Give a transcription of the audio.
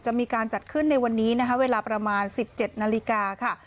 จะมีการจัดขึ้นในวันนี้นะคะเวลาประมาณ๑๗นาฬิกาค่ะ